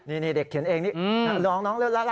นี่เด็กเขียนเองนี่ลองลากขึ้นมา